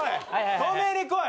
止めに来い！